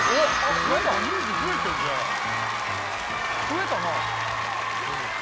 増えたな。